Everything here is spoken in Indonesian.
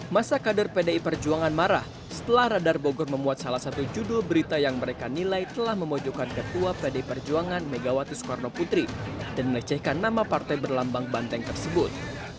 masa kader pdi perjuangan marah setelah radar bogor memuat salah satu judul berita yang mereka nilai telah memojokkan ketua pdi perjuangan megawati soekarno putri dan melecehkan nama partai berlambang banteng tersebut